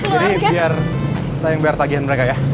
jadi biar sayang bayar tagihan mereka ya